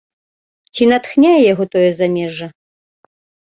Ці натхняе яго тое замежжа?